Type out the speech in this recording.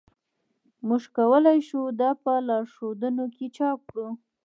موږ کولی شو دا په لارښودونو کې چاپ کړو